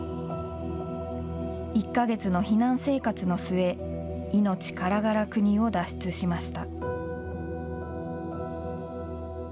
１か月の避難生活の末、命からがら国を脱出しました。